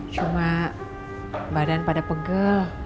cuma badan pada pegel